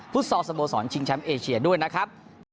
พุทธศาลสะโบสอนชิงแชมป์เอเชียด้วยนะครับ